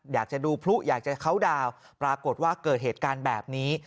อยากจะดูพลุอยากจะเข้าดาวน์ปรากฏว่าเกิดเหตุการณ์แบบนี้